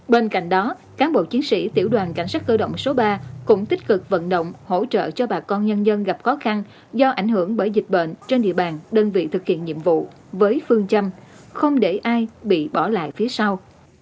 bên cạnh đó cán bộ chiến sĩ tiểu đoàn cảnh sát cơ động số ba cũng tích cực vận động hỗ trợ cho bà con nhân dân gặp khó khăn do ảnh hưởng bởi dịch bệnh trên địa bàn đơn vị thực hiện nhiệm vụ với phương châm không để ai bị bỏ lại phía sau